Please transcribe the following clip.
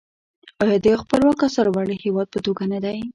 آیا د یو خپلواک او سرلوړي هیواد په توګه نه دی؟